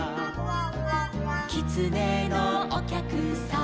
「きつねのおきゃくさん」